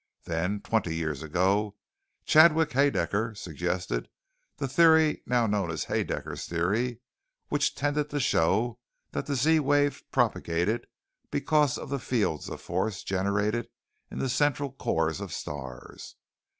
Then, twenty years ago, Chadwick Haedaecker suggested the theory now known as Haedaecker's Theory, which tended to show that the Z wave propagated because of the fields of force generated in the central cores of stars.